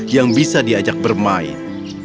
yang bisa diajak bermain